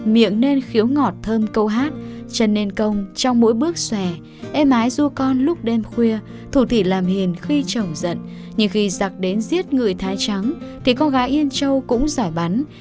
miệng nên khiếu ngọt thơm câu hát chân nên công trong mỗi bước xòe em ái dua con lúc đêm khuya thủ thị làm hiền khi chồng giận nhưng khi giặc đến giết người thái trắng thì con gái yên châu cũng giải bắn cũng làm nên cái bẫy cái trông